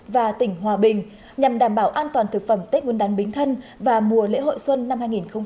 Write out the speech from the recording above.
và tỉnh hòa bình nhằm đảm bảo an toàn thực phẩm tết nguyên đán bính thân và mùa lễ hội xuân năm hai nghìn hai mươi